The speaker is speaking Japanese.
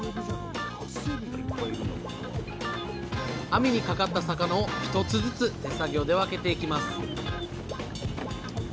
網にかかった魚を一つずつ手作業で分けていきます